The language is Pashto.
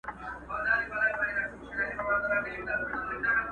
o مار خوړلی، د رسۍ څخه بېرېږي!